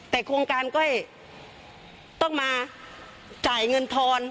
แต่โครงการก็ต้องมาจ่ายเงินทอน